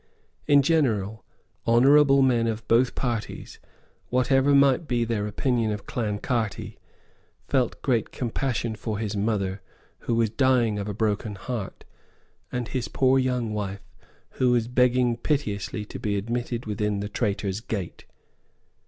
In general, honourable men of both parties, whatever might be their opinion of Clancarty, felt great compassion for his mother who was dying of a broken heart, and his poor young wife who was begging piteously to be admitted within the Traitor's Gate.